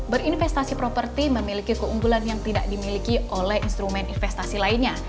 berinvestasi properti memiliki keunggulan yang tidak dimiliki oleh instrumen investasi lainnya